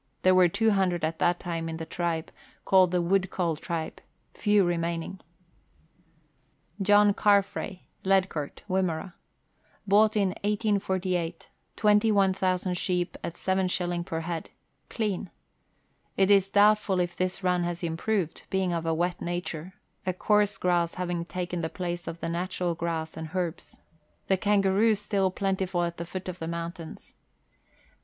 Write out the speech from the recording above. There were 200 at that time in the tribe, called the Woodcole tribe ; few remaining. John Carfrae, Ledcourt, Wimmera : bought in 1848, 21,000 sheep at 7s. per head ; clean. It is doubtful if this run has improved, being of a wet nature, a coarse grass having taken the place of the natural grass and herbs. The kangaroo still plentiful at the foot of the mountains.